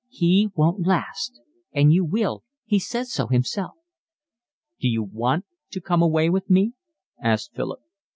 He won't last and you will, he says so himself." "D'you WANT to come away with me?" asked Philip.